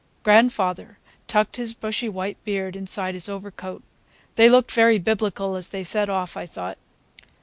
Grandfather tucked his bushy white beard inside his overcoat. They looked very Biblical as they set off, I thought.